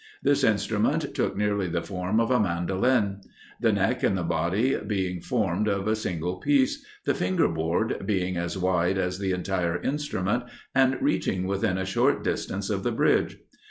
This instrument took nearly the form of a mandoline; the neck and the body being formed of a single piece, the finger board being as wide as the entire instrument, and reaching within a short distance of the bridge.